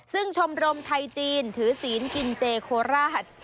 ซึ่งชมรมไทยจีนถือศีลกินเจโคราช